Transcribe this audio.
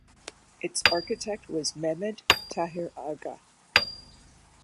Its architect was Mehmed Tahir Agha.